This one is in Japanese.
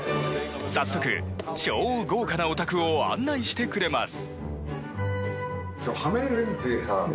早速、超豪華なお宅を案内してくれます。